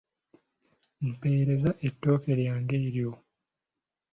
Mpeereza ettooke lyange eryo.